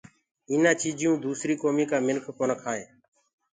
ايٚنآ چيٚجيئونٚ دوسريٚ ڪوميٚ ڪا مِنک ڪونآ کآئينٚ۔